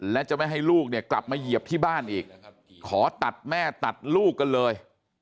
และจะไม่ให้ลูกเนี่ยกลับมาเหยียบที่บ้านอีกขอตัดแม่ตัดลูกกันเลย